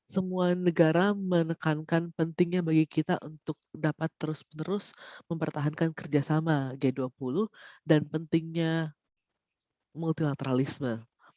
semua negara menekankan pentingnya bagi kita untuk dapat terus menerus mempertahankan kerjasama g dua puluh dan pentingnya multilateralisme